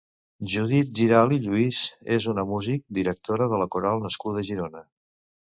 Judit Giralt i Lluís és una mùsic, directora de coral nascuda a Girona.